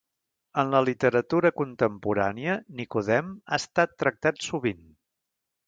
En la literatura contemporània, Nicodem ha estat tractat sovint.